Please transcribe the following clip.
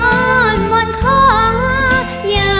อ่า